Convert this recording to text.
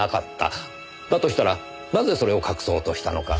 だとしたらなぜそれを隠そうとしたのか。